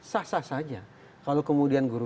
sah sah saja kalau kemudian guru